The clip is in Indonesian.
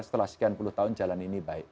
setelah sekian puluh tahun jalan ini baik